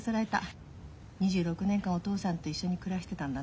２６年間お父さんと一緒に暮らしてたんだなあって思う。